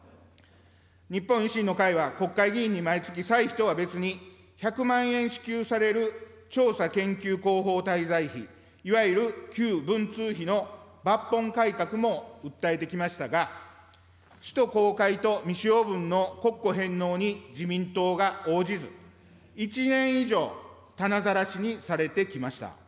日本維新の会は、国会議員に毎月、歳費とは別に１００万円支給される調査研究広報滞在費、いわゆる旧文通費の抜本改革も訴えてきましたが、使途公開と、未使用分の国庫返納に自民党が応じず、１年以上棚ざらしにされてきました。